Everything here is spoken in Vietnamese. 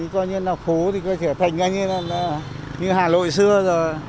coi như là phố thì có thể thành như hà nội xưa rồi